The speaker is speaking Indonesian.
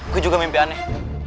gue juga mimpi aneh